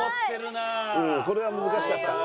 うんこれは難しかったな。